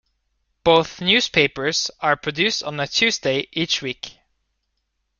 Both news papers are produced on a Tuesday each week.